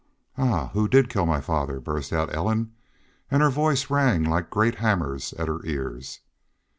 "Ah! ... Who did kill my father?" burst out Ellen, and her voice rang like great hammers at her ears.